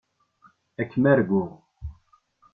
Ad kem-arguɣ.